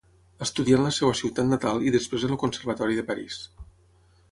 Estudià en la seva ciutat natal i després en el Conservatori de París.